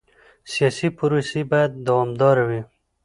سیاسي پروسې باید دوامداره وي